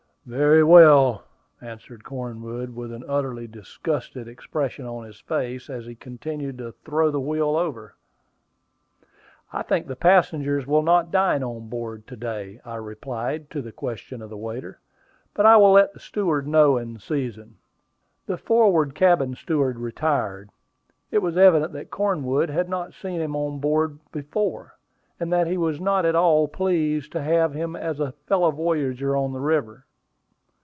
"Very well," answered Cornwood, with an utterly disgusted expression on his face, as he continued to throw the wheel over. "I think the passengers will not dine on board to day," I replied to the question of the waiter. "But I will let the steward know in season." The forward cabin steward retired. It was evident that Cornwood had not seen him on board before, and that he was not at all pleased to have him as a fellow voyager on the river.